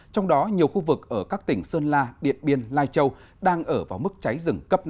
trong đó nhiều khu vực ở các tỉnh sơn la điện biên lai châu đang ở vào mức cháy rừng cấp năm